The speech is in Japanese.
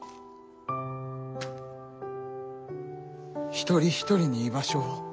一人一人に居場所を。